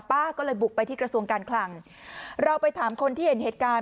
ป้าก็เลยบุกไปที่กระทรวงการคลังเราไปถามคนที่เห็นเหตุการณ์